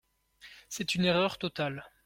C’est une erreur totale.